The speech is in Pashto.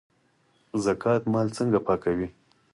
زکات مال څنګه پاکوي؟